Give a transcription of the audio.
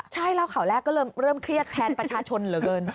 ใช่เข่าแล้วก็เริ่มเครียดแทนปัจชนเหลือเกิน